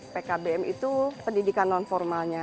pkbm itu pendidikan non formalnya